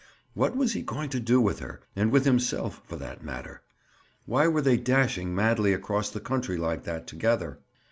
What was he going to do with her, and with himself, for that matter? Why were they dashing madly across the country like that together?